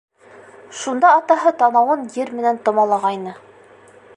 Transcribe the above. Шунда атаһы танауын ер менән томалағайны.